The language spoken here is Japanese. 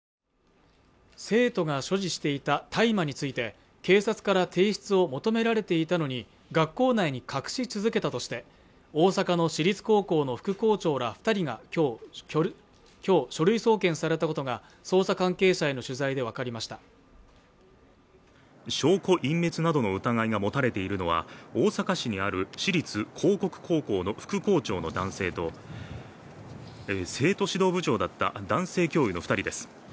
生徒が所持していた大麻について警察から提出を求められていたのに学校内に隠し続けたとして大阪の私立高校の副校長ら二人が今日書類送検されたことが捜査関係者への取材で分かりました証拠隠滅などの疑いが持たれているのは大阪市にある私立興国高校の副校長の男性と生徒指導部長だった男性教諭の二人です